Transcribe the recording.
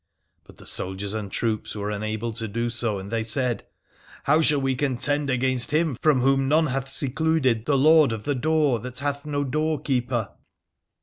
But the soldiers and troops were unable to do so and they said, How shall we contend against Him from whom none hath secluded, the Lord of the door that hath no door keeper